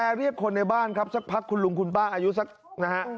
เรียกคนในบ้านครับสักพักคุณลุงคุณป้าอายุสักนะฮะ